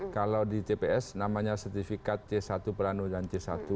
kalau di tps namanya sertifikat c satu plano dan c satu